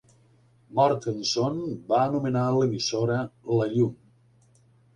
Mortenson va anomenar l'emissora "La llum".